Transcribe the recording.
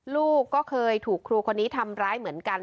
ลูกก็เคยถูกครูคนนี้ทำร้ายเหมือนกัน